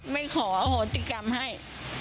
ไม่ขออโหติกรรมให้